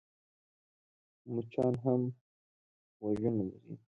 مچان هم غوږونه لري .